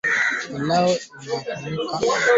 Pilau inayotumia viazi